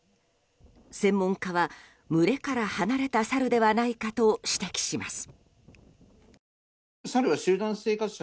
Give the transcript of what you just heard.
専門家は群れから離れたサルではないかと指摘します。